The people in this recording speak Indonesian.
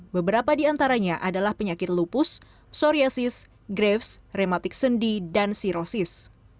beberapa di antaranya adalah penyakit lupus psoriasis greves rematik sendi dan cirosis